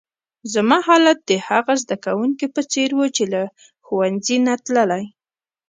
زما حالت د هغه زده کونکي په څېر وو، چي له ښوونځۍ نه تللی.